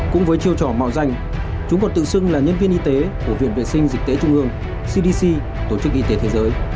cũng với chiêu trò mạo danh chúng còn tự xưng là nhân viên y tế của viện vệ sinh dịch tế trung ương